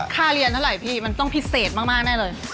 ค่าเรียนเท่าไหร่พี่มันต้องพิเศษมากแน่เลย